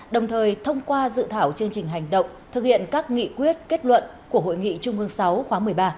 đồng thời thông qua dự thảo chương trình hành động thực hiện các nghị quyết kết luận của hội nghị trung ương sáu khóa một mươi ba